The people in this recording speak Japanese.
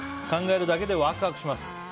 考えるだけでワクワクします。